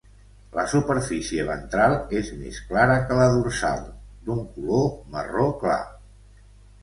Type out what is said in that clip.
La superfície ventral és més clara que la dorsal, d'un color marró clar.